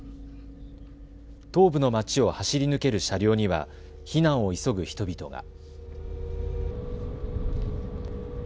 東部の町を走り抜ける車両には避難を急ぐ人々が。